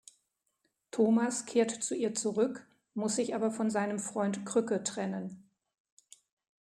Thomas kehrt zu ihr zurück, muss sich aber von seinem Freund Krücke trennen.